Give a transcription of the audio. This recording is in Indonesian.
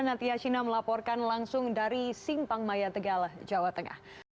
nathiasina melaporkan langsung dari simpang maya tegal jawa tengah